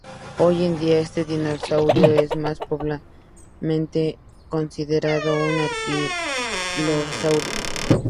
Hoy en día este dinosaurio es más probablemente considerado un anquilosáurido.